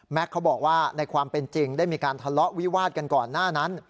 เขาบอกว่าในความเป็นจริงได้มีการทะเลาะวิวาดกันก่อนหน้านั้น